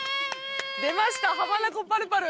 出ました浜名湖パルパル。